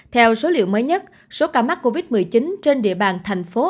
theo số liệu mới nhất số ca mắc covid một mươi chín trên địa bàn thành phố